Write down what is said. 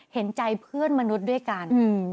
เห็นใจเพื่อนมนุษย์ด้วยกัน